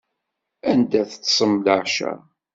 Anda teṭṭsem leɛca?